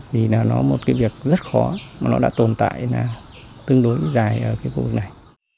thì là nó một cái việc rất khó mà nó đã tồn tại là tương đối dài ở cái vùng này